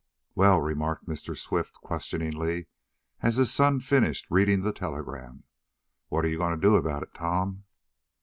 '" "Well?" remarked Mr. Swift, questioningly, as his son finished reading the telegram. "What are you going to do about it, Tom?"